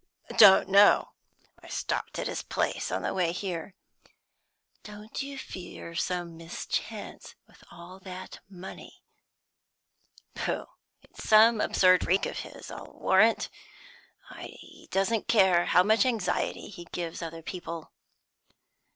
"Don't know. I stopped at his place on the way here." "Don't you fear some mischance? With all that money " "Pooh! It's some absurd freak of his, I'll warrant. He doesn't care how much anxiety he gives other people."